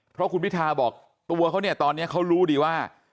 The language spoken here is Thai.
เพราะคุณพิทาบอกตัวเขาเนี่ยตอนนี้เขารู้ดีว่า